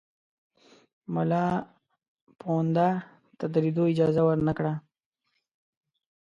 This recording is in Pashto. مُلاپوونده ته د لیدلو اجازه ورنه کړه.